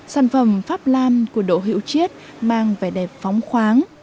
sản phẩm pháp nam của độ hiệu triết mang vẻ đẹp phóng khoáng